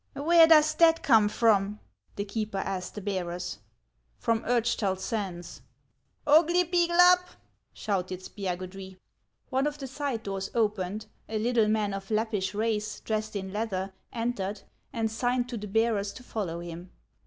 " Where does that come from ?" the keeper asked the bearers. "From Urchtal Sands." " Oglypiglap !" shouted Spiagudry. One of the side doors opened, a little man of Lappish race, dressed in leather, entered, and signed to the bearers to follow him.